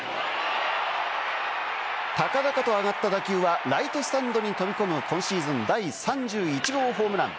高々と上がった打球はライトスタンドに飛び込む今シーズン第３１号ホームラン。